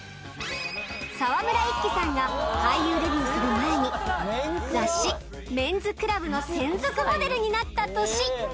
沢村一樹さんが俳優デビューする前に雑誌『ＭＥＮ’ＳＣＬＵＢ』の専属モデルになった年